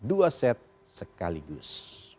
kedua set sekaligus